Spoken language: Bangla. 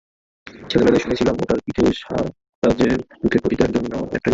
ছেলেবেলায়, শুনেছিলাম ওটার পিঠে সাত রাজ্যের দুঃখের প্রতিটার জন্য একটা করে বিন্দু আছে।